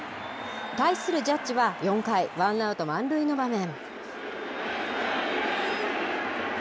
対するジャッジは４回、ワンアウト満塁の場面。